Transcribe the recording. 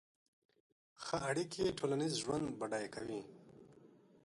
ښه اړیکې ټولنیز ژوند بډای کوي.